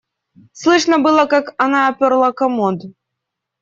Слышно было, как она отперла комод.